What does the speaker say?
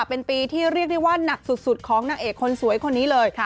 เป็นปีที่เรียกได้ว่านักสุดของนางเอกคนสวยคนนี้เลย